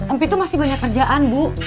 empi itu masih banyak kerjaan bu